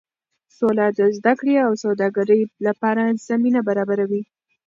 سوله د زده کړې او سوداګرۍ لپاره زمینه برابروي.